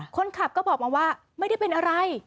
คนขับก็บอกมาว่าไม่ได้เป็นอะไร